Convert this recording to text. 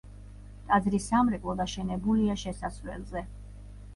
ტაძრის სამრეკლო დაშენებულია შესასვლელზე.